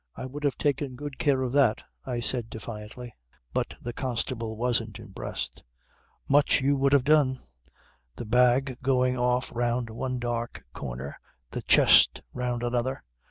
"I would have taken good care of that," I said defiantly. But the constable wasn't impressed. "Much you would have done. The bag going off round one dark corner; the chest round another.